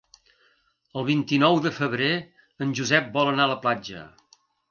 El vint-i-nou de febrer en Josep vol anar a la platja.